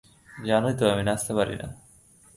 জানোই তো আমি নাচতে পারি না।